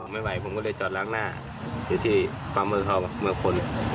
ไม่ไหวผมก็เลยจอดล้างหน้าอยู่ที่พร้อมมือคน